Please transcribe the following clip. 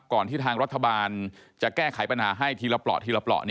ที่ทางรัฐบาลจะแก้ไขปัญหาให้ทีละเปราะทีละเปราะ